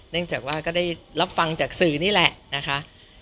เนื่องจากว่าก็ได้รับฟังจากสื่อนี่แหละนะคะ